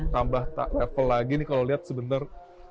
tambah level lagi nih kalau lihat sebentar